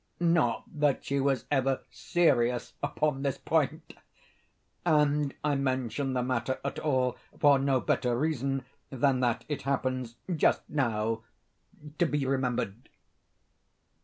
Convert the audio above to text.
Not that she was ever serious upon this point—and I mention the matter at all for no better reason than that it happens, just now, to be remembered.